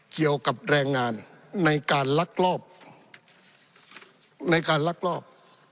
เกี่ยวกับแรงงานในการลักลอบในการลักลอบ